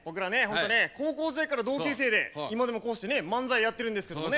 ほんとね高校時代から同級生で今でもこうしてね漫才やってるんですけどもね。